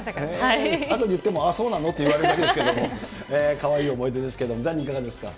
あとでいっても、ああ、そうなの？って言われるだけだけど、かわいい思い出ですけれども、ザニー、いかがですか。